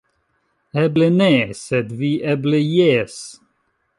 Eble ne, sed vi eble jes".